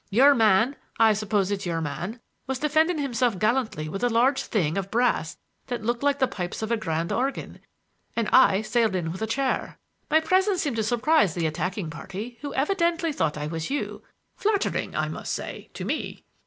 Your man—I suppose it's your man—was defending himself gallantly with a large thing of brass that looked like the pipes of a grand organ—and I sailed in with a chair. My presence seemed to surprise the attacking party, who evidently thought I was you,—flattering, I must say, to me!"